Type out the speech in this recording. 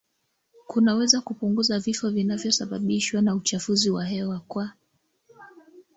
kunaweza kupunguza vifo vinavyosababishwa na uchafuzi wa hewa kwa